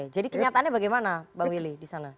jadi kenyataannya bagaimana bang willy di sana